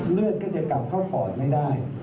เลือดก็จะกลับเข้าปอดไม่ได้